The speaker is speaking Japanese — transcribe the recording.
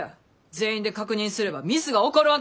全員で確認すればミスが起こるわけあらへん。